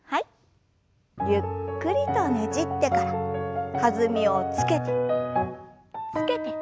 ゆっくりとねじってから弾みをつけてつけて。